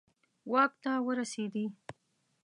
واک ته ورسېدي.